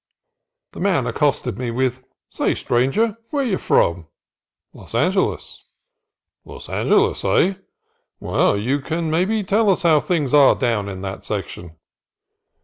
The man accosted me with "Say, stranger, where 're ye from?" — "Los An geles." — "Los Angeles, hey? Well, then, you can maybe tell us how things is down that section."